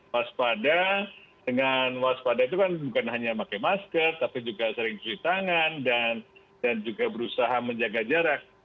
waspada dengan waspada itu kan bukan hanya pakai masker tapi juga sering cuci tangan dan juga berusaha menjaga jarak